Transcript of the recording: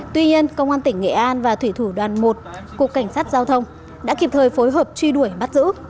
tuy nhiên công an tỉnh nghệ an và thủy thủ đoàn một cục cảnh sát giao thông đã kịp thời phối hợp truy đuổi bắt giữ